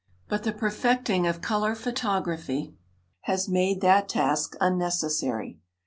But the perfecting of color photography has made that task unnecessary.